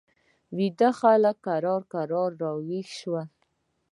ویده خلک کرار کرار را ویښ شول.